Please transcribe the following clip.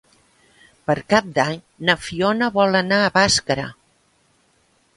Per Cap d'Any na Fiona vol anar a Bàscara.